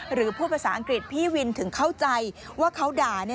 หรือพูดภาษาอังกฤษพี่วินถึงเข้าใจว่าเขาด่า